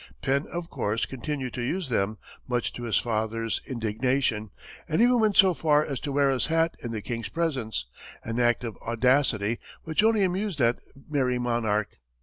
Penn, of course, continued to use them, much to his father's indignation, and even went so far as to wear his hat in the king's presence, an act of audacity which only amused that merry monarch.